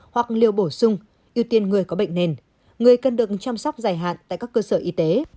hoặc liều bổ sung ưu tiên người có bệnh nền người cần được chăm sóc dài hạn tại các cơ sở y tế